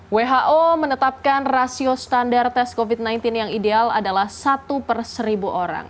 who menetapkan rasio standar tes covid sembilan belas yang ideal adalah satu per seribu orang